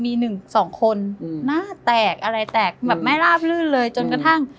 มีหนึ่งสองคนหน้าแตกอะไรแตกแบบไม่ราบลื่นเลยจนกระทั่ง